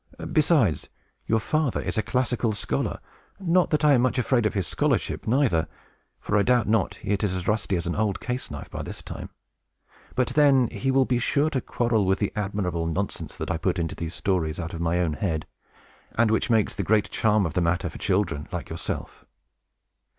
Besides, your father is a classical scholar; not that I am much afraid of his scholarship, neither, for I doubt not it is as rusty as an old case knife by this time. But then he will be sure to quarrel with the admirable nonsense that I put into these stories, out of my own head, and which makes the great charm of the matter for children, like yourself.